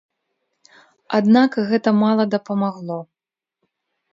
Аднак гэта мала дапамагло.